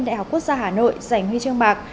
đại học quốc gia hà nội giành huy chương bạc